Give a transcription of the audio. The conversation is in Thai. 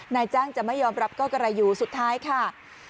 นายจ้างจะไม่ยอมรับก็กระไรอยู่สุดท้ายค่ะ